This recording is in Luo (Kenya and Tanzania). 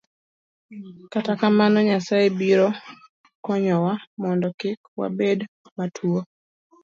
Kata kamano, Nyasaye biro konyowa mondo kik wabed matuwo.